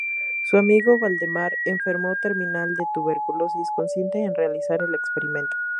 Su amigo Valdemar, enfermo terminal de tuberculosis, consiente en realizar el experimento.